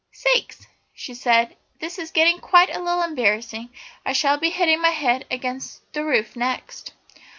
"Sakes!" she said, "this is getting quite a little embarrassing; I shall be hitting my head against the roof next."